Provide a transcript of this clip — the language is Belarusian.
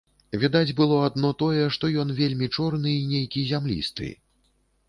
Відаць было адно тое, што ён вельмі чорны і нейкі зямлісты.